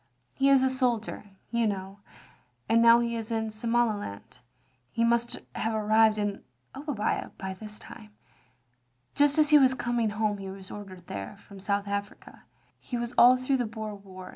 He is a soldier, you know, and now he is in Somaliland. He must have arrived in Obbia by this time. Just as he was coming home he was ordered there, from South Africa. He was all through the Boer War.